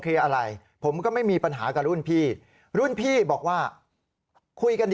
อะไรผมก็ไม่มีปัญหากับรุ่นพี่รุ่นพี่บอกว่าคุยกันดี